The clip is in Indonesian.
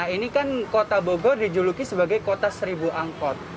ini kan kota bogor dijuluki sebagai kota seribu angkot